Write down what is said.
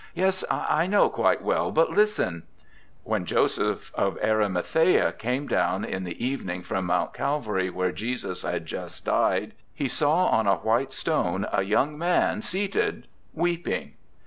Yes, I know, quite well, but listen: 'When Joseph of Arimathæa came down in the evening from Mount Calvary where Jesus had just died, he saw on a white stone a young man seated weeping.